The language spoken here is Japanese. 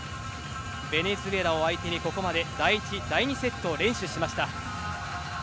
ベネズエラを相手にここまで第１、第２セットを連取しました。